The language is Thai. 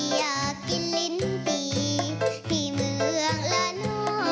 อยากกินลิ้นปีที่เมืองละน่อ